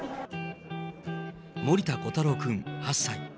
森田琥太郎君８歳。